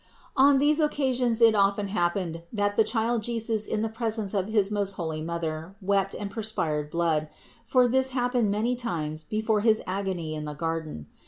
695. On these occasions it often happened that the Child Jesus in the presence of his most holy Mother wept and perspired blood, for this happened many times before his agony in the garden.